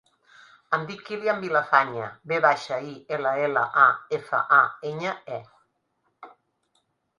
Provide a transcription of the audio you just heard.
Em dic Kilian Villafañe: ve baixa, i, ela, ela, a, efa, a, enya, e.